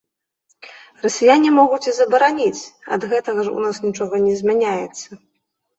Расіяне могуць і забараніць, ад гэтага ж у нас нічога не змяняецца.